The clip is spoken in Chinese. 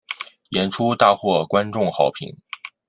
演出大获观众好评。